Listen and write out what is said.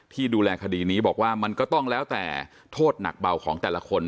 ที่ดูแลคดีนี้บอกว่ามันก็ต้องแล้วแต่โทษหนักเบาของแต่ละคน